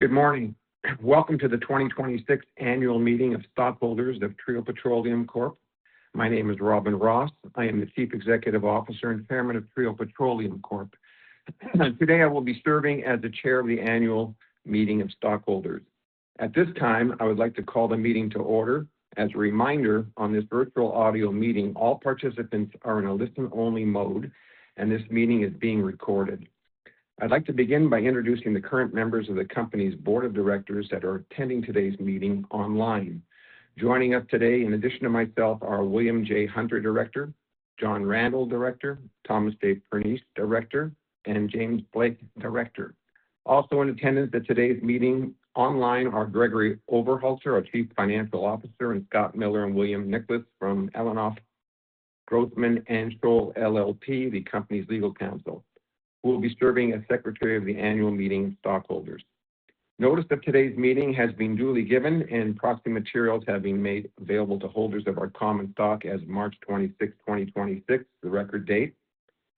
Good morning. Welcome to the 2026 Annual Meeting of Stockholders of Trio Petroleum Corp. My name is Robin Ross. I am the Chief Executive Officer and Chairman of Trio Petroleum Corp. Today, I will be serving as the chair of the annual meeting of stockholders. At this time, I would like to call the meeting to order. As a reminder, on this virtual audio meeting, all participants are in a listen-only mode, and this meeting is being recorded. I'd like to begin by introducing the current members of the company's board of directors that are attending today's meeting online. Joining us today, in addition to myself, are William J. Hunter, Director, John Randall, Director, Thomas J. Pernice, Director, and James Blake, Director. Also in attendance at today's meeting online are Gregory Overholtzer, our Chief Financial Officer, and Scott Miller and William Nicholas from Ellenoff Grossman & Schole LLP, the company's legal counsel, who will be serving as Secretary of the annual meeting of stockholders. Notice of today's meeting has been duly given and proxy materials have been made available to holders of our common stock as March 26, 2026, the record date.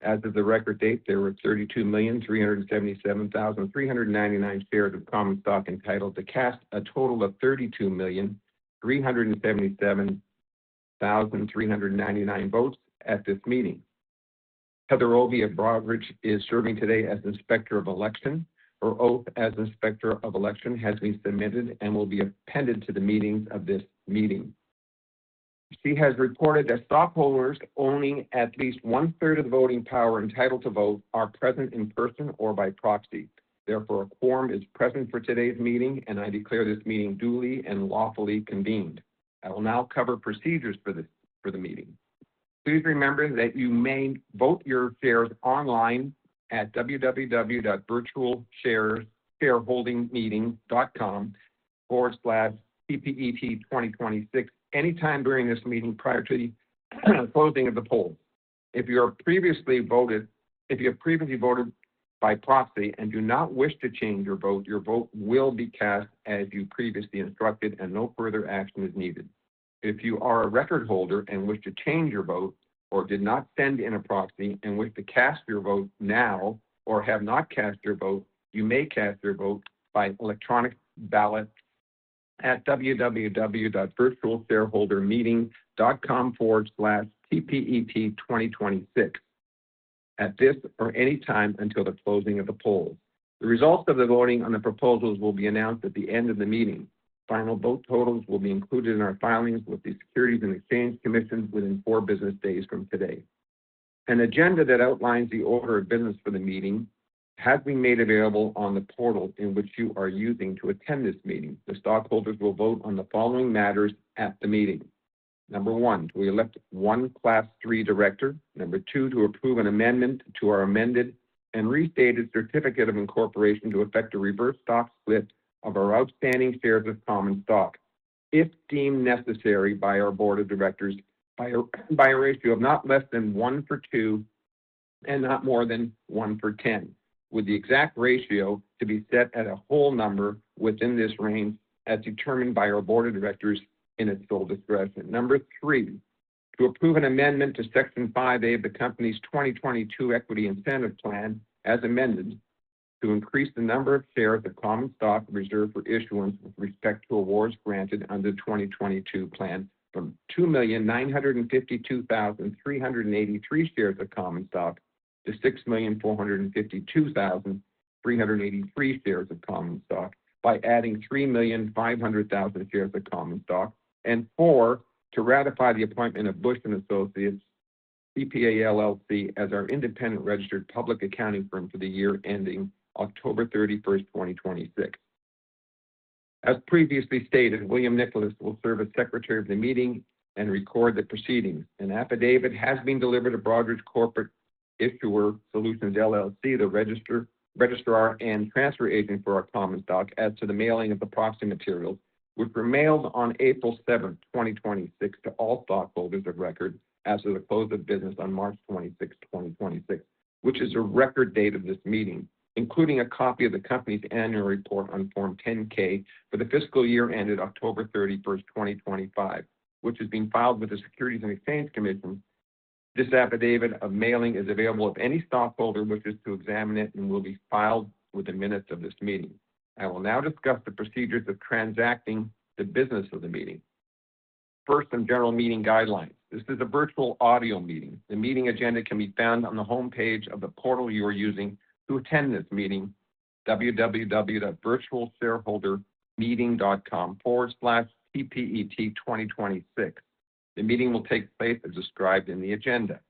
As of the record date, there were 32,377,399 shares of common stock entitled to cast a total of 32,377,399 votes at this meeting. Heather Obi of Broadridge is serving today as Inspector of Election. Her oath as Inspector of Election has been submitted and will be appended to the minutes of this meeting. She has reported that stockholders owning at least 1/3 of the voting power entitled to vote are present in person or by proxy. Therefore, a quorum is present for today's meeting, and I declare this meeting duly and lawfully convened. I will now cover procedures for the meeting. Please remember that you may vote your shares online at www.virtualshareholdingmeeting.com/tpet2026 any time during this meeting prior to the closing of the poll. If you have previously voted by proxy and do not wish to change your vote, your vote will be cast as you previously instructed and no further action is needed. If you are a record holder and wish to change your vote or did not send in a proxy and wish to cast your vote now or have not cast your vote, you may cast your vote by electronic ballot at www.virtualshareholdermeeting.com/tpet2026 at this or any time until the closing of the poll. The results of the voting on the proposals will be announced at the end of the meeting. Final vote totals will be included in our filings with the Securities and Exchange Commission within four business days from today. An agenda that outlines the order of business for the meeting has been made available on the portal in which you are using to attend this meeting. The stockholders will vote on the following matters at the meeting. Number one, to elect 1 Class III director. Number two, to approve an amendment to our amended and restated certificate of incorporation to effect a reverse stock split of our outstanding shares of common stock if deemed necessary by our board of directors by a ratio of not less than one for two and not more than one for 10, with the exact ratio to be set at a whole number within this range as determined by our board of directors in its sole discretion. Number three, to approve an amendment to Section 5 of the company's 2022 Equity Incentive Plan, as amended, to increase the number of shares of common stock reserved for issuance with respect to awards granted under the 2022 plan from 2,952,383 shares of common stock to 6,452,383 shares of common stock by adding 3,500,000 shares of common stock. Four, to ratify the appointment of Bush & Associates CPA LLC, as our independent registered public accounting firm for the year ending October 31st, 2026. As previously stated, William Nicholas will serve as Secretary of the meeting and record the proceedings. An affidavit has been delivered to Broadridge Corporate Issuer Solutions, LLC, the registrar, and transfer agent for our common stock as to the mailing of the proxy materials, which were mailed on April 7th, 2026, to all stockholders of record as of the close of business on March 26th, 2026, which is the record date of this meeting, including a copy of the company's annual report on Form 10-K for the fiscal year ended October 31st, 2025, which is being filed with the Securities and Exchange Commission. This affidavit of mailing is available if any stockholder wishes to examine it and will be filed with the minutes of this meeting. I will now discuss the procedures of transacting the business of the meeting. First, some general meeting guidelines. This is a virtual audio meeting. The meeting agenda can be found on the homepage of the portal you are using to attend this meeting, www.virtualshareholdermeeting.com/tpet2026. The meeting will take place as described in the agenda.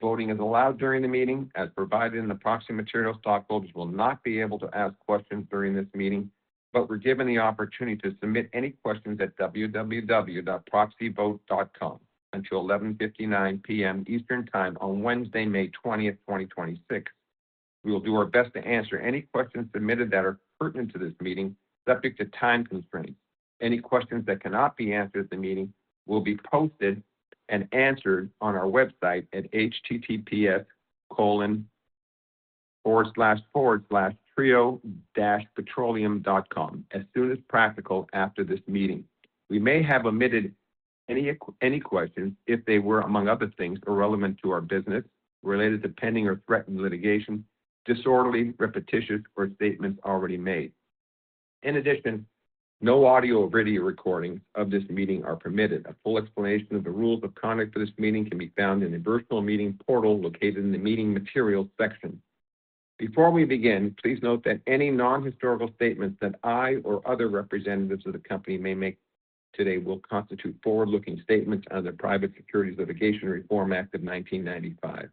Voting is allowed during the meeting. As provided in the proxy material, stockholders will not be able to ask questions during this meeting, but were given the opportunity to submit any questions at www.proxyvote.com until 11:59 P.M. Eastern Time on Wednesday, May 20th, 2026. We will do our best to answer any questions submitted that are pertinent to this meeting, subject to time constraints. Any questions that cannot be answered at the meeting will be posted and answered on our website at https://trio-petroleum.com as soon as practical after this meeting. We may have omitted any questions, if they were, among other things, irrelevant to our business, related to pending or threatened litigation, disorderly, repetitious, or statements already made. In addition, no audio or video recordings of this meeting are permitted. A full explanation of the rules of conduct for this meeting can be found in the virtual meeting portal located in the meeting materials section. Before we begin, please note that any non-historical statements that I or other representatives of the company may make today will constitute forward-looking statements under the Private Securities Litigation Reform Act of 1995.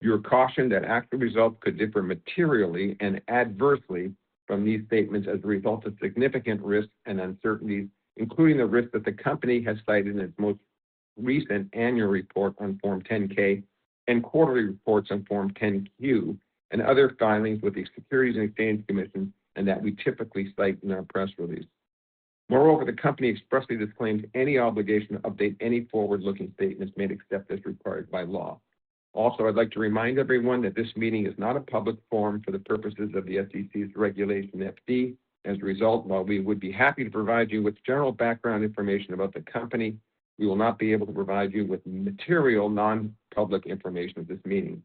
You are cautioned that actual results could differ materially and adversely from these statements as a result of significant risks and uncertainties, including the risks that the company has cited in its most recent annual report on Form 10-K and quarterly reports on Form 10-Q, and other filings with the Securities and Exchange Commission, and that we typically cite in our press release. Moreover, the company expressly disclaims any obligation to update any forward-looking statements made, except as required by law. Also, I'd like to remind everyone that this meeting is not a public forum for the purposes of the SEC's Regulation FD. As a result, while we would be happy to provide you with general background information about the company, we will not be able to provide you with material non-public information at this meeting.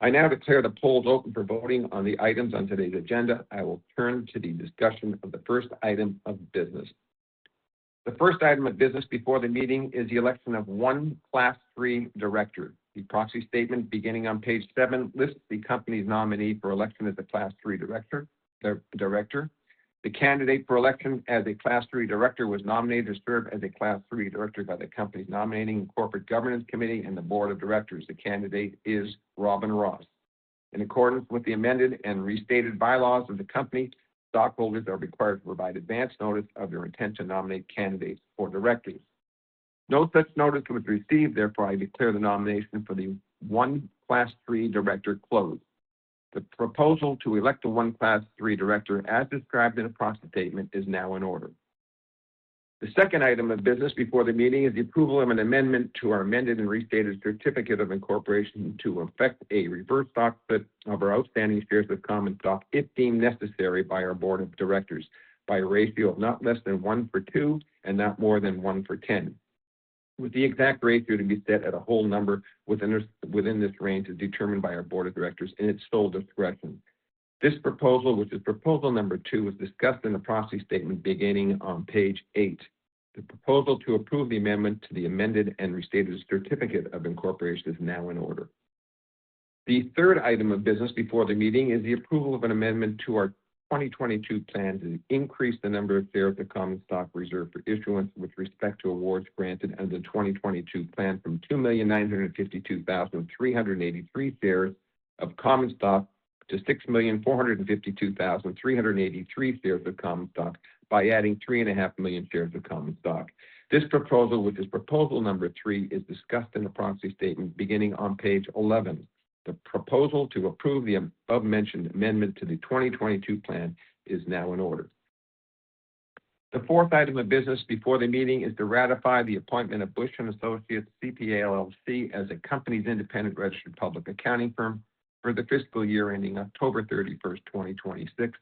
I now declare the polls open for voting on the items on today's agenda. I will turn to the discussion of the first item of business. The first item of business before the meeting is the election of one Class III director. The proxy statement beginning on page seven lists the company's nominee for election as a Class III director. The candidate for election as a Class III director was nominated to serve as a Class III director by the company's nominating and corporate governance committee and the board of directors. The candidate is Robin Ross. In accordance with the amended and restated bylaws of the company, stockholders are required to provide advance notice of their intent to nominate candidates for directors. No such notice was received. Therefore, I declare the nomination for the one Class III director closed. The proposal to elect a one Class III director as described in the proxy statement is now in order. The second item of business before the meeting is the approval of an amendment to our amended and restated certificate of incorporation to effect a reverse stock split of our outstanding shares of common stock, if deemed necessary by our board of directors, by a ratio of not less than one for two and not more than one for 10, with the exact ratio to be set at a whole number within this range, as determined by our board of directors in its sole discretion. This proposal, which is proposal number two, was discussed in the proxy statement beginning on page eight. The proposal to approve the amendment to the amended and restated certificate of incorporation is now in order. The third item of business before the meeting is the approval of an amendment to our 2022 Plans to increase the number of shares of common stock reserved for issuance with respect to awards granted under the 2022 Plan from 2,952,383 shares of common stock to 6,452,383 shares of common stock by adding 3.5 million shares of common stock. This proposal, which is proposal number three, is discussed in the proxy statement beginning on page 11. The proposal to approve the above-mentioned amendment to the 2022 Plan is now in order. The fourth item of business before the meeting is to ratify the appointment of Bush & Associates CPA LLC as the company's independent registered public accounting firm for the fiscal year ending October 31st, 2026.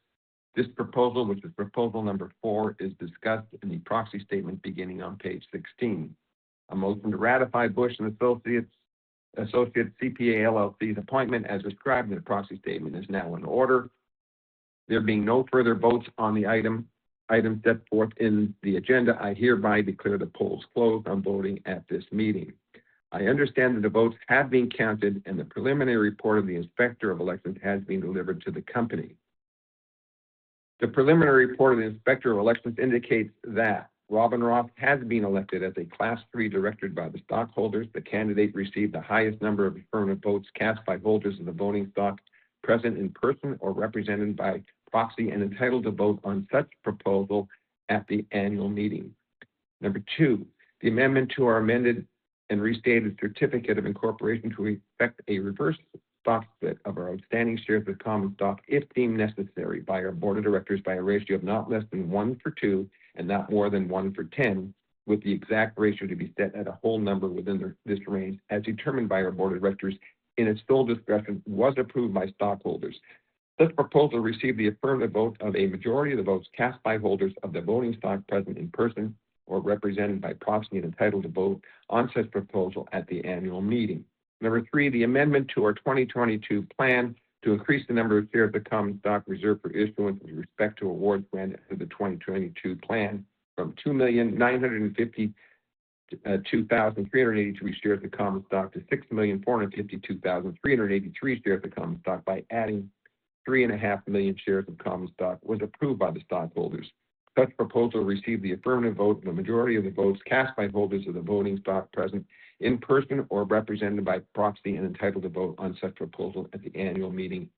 This proposal, which is proposal number four, is discussed in the proxy statement beginning on page 16. A motion to ratify Bush & Associates CPA LLC's appointment as described in the proxy statement is now in order. There being no further votes on the items set forth in the agenda, I hereby declare the polls closed on voting at this meeting. I understand that the votes have been counted, and the preliminary report of the inspector of elections has been delivered to the company. The preliminary report of the inspector of elections indicates that Robin Ross has been elected as a Class III director by the stockholders. The candidate received the highest number of affirmative votes cast by holders of the voting stock present in person or represented by proxy and entitled to vote on such proposal at the annual meeting. Number two, the amendment to our amended and restated certificate of incorporation to effect a reverse stock split of our outstanding shares of common stock, if deemed necessary by our board of directors by a ratio of not less than one for two and not more than one for 10, with the exact ratio to be set at a whole number within this range, as determined by our board of directors in its sole discretion, was approved by stockholders. Such proposal received the affirmative vote of a majority of the votes cast by holders of the voting stock present in person or represented by proxy and entitled to vote on such proposal at the annual meeting. Number three, the amendment to our 2022 plan to increase the number of shares of common stock reserved for issuance with respect to awards granted under the 2022 plan from 2,952,383 shares of common stock to 6,452,383 shares of common stock by adding three and a half million shares of common stock was approved by the stockholders. Such proposal received the affirmative vote of a majority of the votes cast by holders of the voting stock present in person or represented by proxy and entitled to vote on such proposal at the annual meeting.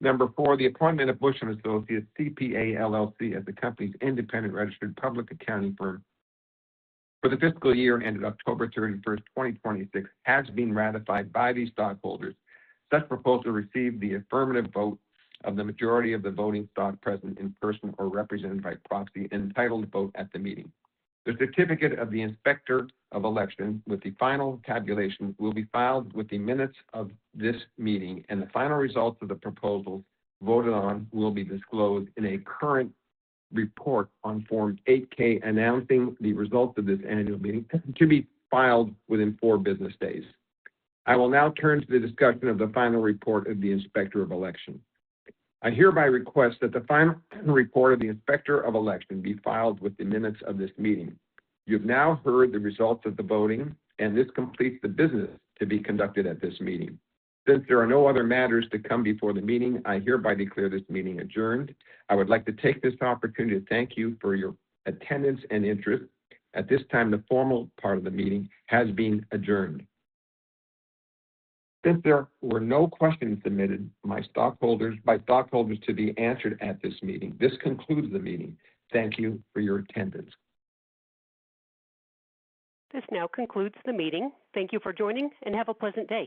Number four, the appointment of Bush & Associates CPA LLC, as the company's independent registered public accounting firm for the fiscal year ended October 31st, 2026, has been ratified by the stockholders. Such proposal received the affirmative vote of the majority of the voting stock present in person or represented by proxy entitled to vote at the meeting. The certificate of the inspector of election with the final tabulation will be filed with the minutes of this meeting, and the final results of the proposals voted on will be disclosed in a current report on Form 8-K announcing the results of this annual meeting to be filed within four business days. I will now turn to the discussion of the final report of the inspector of election. I hereby request that the final report of the inspector of election be filed with the minutes of this meeting. You've now heard the results of the voting, and this completes the business to be conducted at this meeting. Since there are no other matters to come before the meeting, I hereby declare this meeting adjourned. I would like to take this opportunity to thank you for your attendance and interest. At this time, the formal part of the meeting has been adjourned. Since there were no questions submitted by stockholders to be answered at this meeting, this concludes the meeting. Thank you for your attendance. This now concludes the meeting. Thank you for joining, and have a pleasant day.